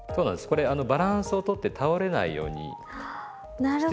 これバランスを取って倒れないようにしてるんですけど。